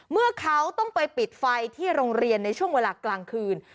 เมื่อเขาต้องไปปิดไฟที่โรงเรียนในช่วงเวลากลางคืน